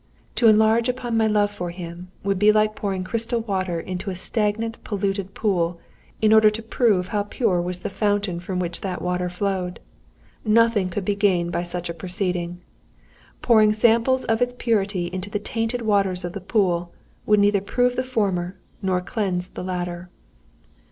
"To enlarge upon my love for him, would be like pouring crystal water into a stagnant polluted pool, in order to prove how pure was the fountain from which that water flowed. Nothing could be gained by such a proceeding. Pouring samples of its purity into the tainted waters of the pool, would neither prove the former, nor cleanse the latter.